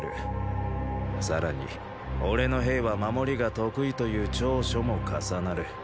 さらに俺の兵は守りが得意という長所も重なる。